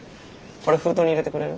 これ封筒に入れてくれる？